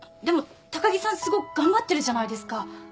すごく頑張ってるじゃないですか。